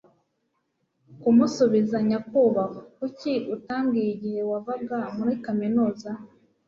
kumusubiza nyakubahwa. kuki utambwiye igihe wavaga muri kaminuza